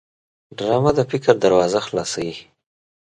ډرامه د فکر دروازه خلاصوي